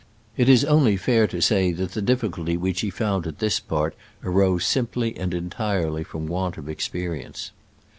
It is only fair to say that the difficulty which he found at this part arose simply and entirely from want of experience.